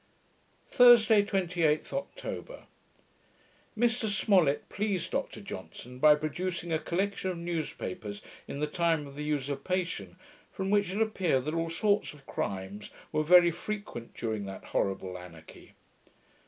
Thursday, 28th October Mr Smollet pleased Dr Johnson, by producing a collection of news papers in the time of the Usurpation, from which it appeared that all sorts of crimes were very frequent during that horrible anarchy.